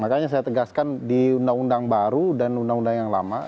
makanya saya tegaskan di undang undang baru dan undang undang yang lama